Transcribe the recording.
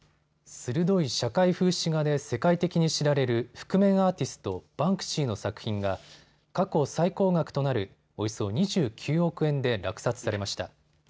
鋭い社会風刺画で世界的に知られる覆面アーティスト、バンクシーの作品が過去最高額となるおよそ２９億円で落札されました。